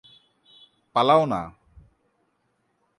পালাও না।